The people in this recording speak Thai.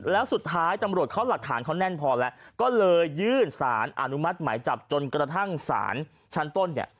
แล้วสุดท้ายตำรวจเขาหลักฐานเขาแน่นพอแล้วก็เลยยื่นสารอนุมัติหมายจับจนกระทั่งศาลชั้นต้นเนี่ย